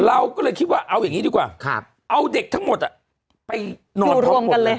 เราก็เลยคิดว่าเอาอย่างนี้ดีกว่าเอาเด็กทั้งหมดไปนอนพร้อมกันเลย